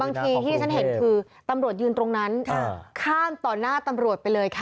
บางทีที่ฉันเห็นคือตำรวจยืนตรงนั้นข้ามต่อหน้าตำรวจไปเลยค่ะ